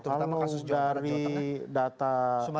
terutama kasus jawa barat jawa tengah